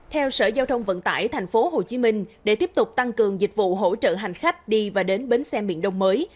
theo sở giao thông vận tải tp hcm để tiếp tục tăng cường dịch vụ hỗ trợ hành khách đi và đến bến xe miền đông mới